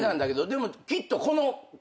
でもきっとこの問題は。